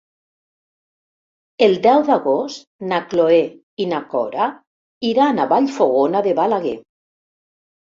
El deu d'agost na Cloè i na Cora iran a Vallfogona de Balaguer.